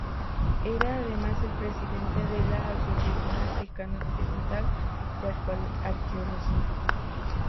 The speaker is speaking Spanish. Era además el presidente de la Asociación Africana Occidental de Arqueología.